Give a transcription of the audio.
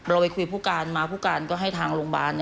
เราไปคุยผู้การมาผู้การก็ให้ทางโรงพยาบาล